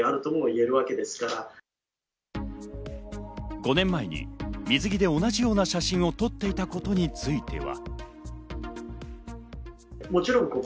５年前に水着で同じような写真を撮っていたことについては。